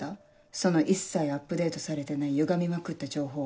その一切アップデートされてないゆがみまくった情報。